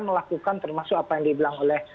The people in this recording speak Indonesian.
melakukan termasuk apa yang dibilang oleh